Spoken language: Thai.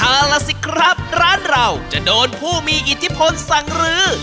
เอาล่ะสิครับร้านเราจะโดนผู้มีอิทธิพลสั่งรื้อ